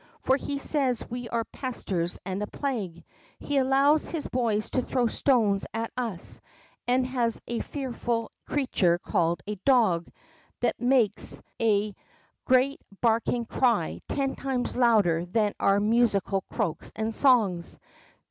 For he says we are pesters and a plague. He allows his boys to throw stones at us, and has a fearful creature called a ■ dog ' that makes a 82 THE noCK FROG great barking cry ten times lender than our musi cal croaks and songs.